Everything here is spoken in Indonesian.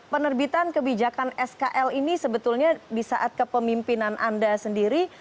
penerbitan kebijakan skl ini sebetulnya di saat kepemimpinan anda sendiri